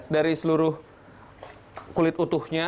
dari seluruh kulit utuhnya